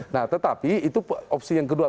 nah tetapi itu opsi yang kedua